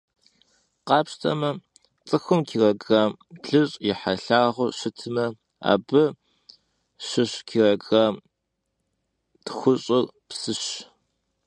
Khapşteme, ts'ıxum kilogramm blış' yi helhağıu şıtme, abı şışu kilogramm txuş'ır psış.